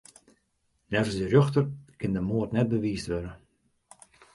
Neffens de rjochter kin de moard net bewiisd wurde.